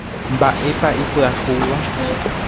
Mba'épa ipyahúva.